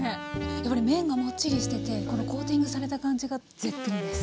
やっぱり麺がもっちりしててこのコーティングされた感じが絶品です。